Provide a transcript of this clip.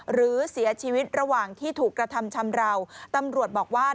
หรือเสียชีวิตระหว่างที่ถูกกระทำชำราวตำรวจบอกว่า